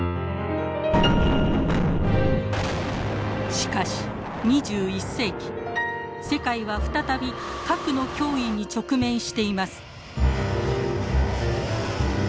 しかし２１世紀世界は再び核の脅威に直面しています。